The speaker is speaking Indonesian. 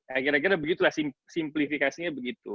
ya kira kira begitulah simplifikasinya begitu